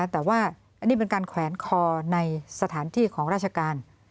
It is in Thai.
แต่ว่าอันนี้เป็นการแขวนคอในสถานที่ของราชการ